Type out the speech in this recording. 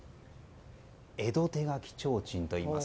江戸手描提灯といいます。